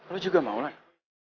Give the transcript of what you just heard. lo juga mau lan